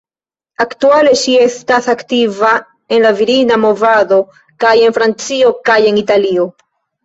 Aktuale, ŝi estas aktiva en la Virina Movado kaj en Francio kaj en Italio.